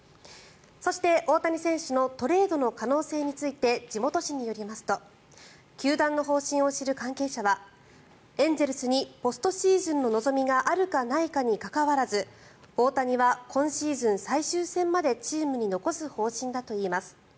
そして、大谷選手のトレードの可能性について地元紙によりますと球団の方針を知る関係者はエンゼルスにポストシーズンの望みがあるないかにかかわらず大谷は今シーズン最終戦までチームに残す方針だといいます。